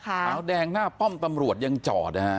ขาวแดงหน้าป้อมตำรวจยังจอดนะฮะ